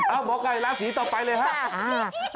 อ้าวหมอไก่ราศีต่อไปเลยค่ะ